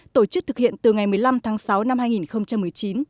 tổ chức thực hiện từ ngày một mươi năm tháng sáu năm hai nghìn một mươi chín